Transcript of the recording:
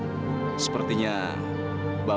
untuk perbaiki jejaknya